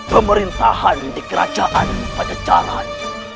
pemerintahan di kerajaan pajajaran